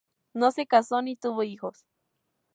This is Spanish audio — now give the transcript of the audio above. No se casó ni tuvo hijos.